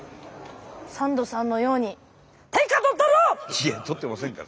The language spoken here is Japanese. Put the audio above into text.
いやとってませんから。